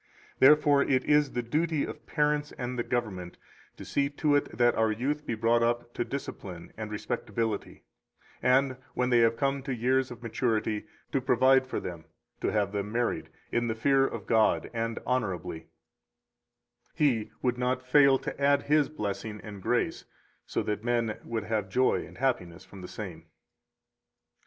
218 Therefore it is the duty of parents and the government to see to it that our youth be brought up to discipline and respectability, and when they have come to years of maturity, to provide for them [to have them married] in the fear of God and honorably; He would not fail to add His blessing and grace, so that men would have joy and happiness from the same.